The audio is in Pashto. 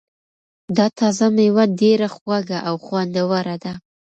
دا تازه مېوه ډېره خوږه او خوندوره ده.